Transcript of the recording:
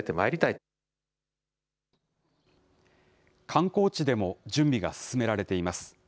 観光地でも準備が進められています。